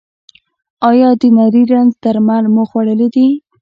ایا د نري رنځ درمل مو خوړلي دي؟